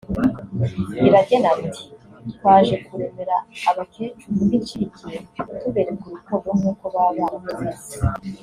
Iragena ati “Twaje kuremera abakecuru b’incike tubereka urukundo nk’uko baba baratureze